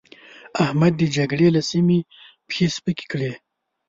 احمد د جګړې له سيمې پښې سپکې کړې.